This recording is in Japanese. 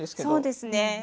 そうですね